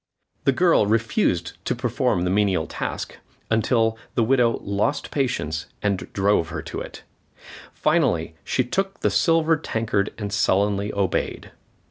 The girl refused to perform the menial task, until the widow lost patience and drove her to it. Finally, she took the silver tankard and sullenly obeyed.